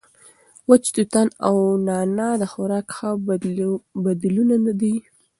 وچ توتان او نعناع د خوراک ښه بدیلونه دي.